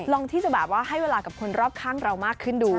ที่จะแบบว่าให้เวลากับคนรอบข้างเรามากขึ้นดู